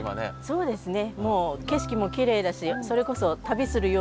そうですね。